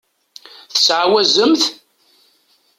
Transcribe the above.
Tettɛawazemt?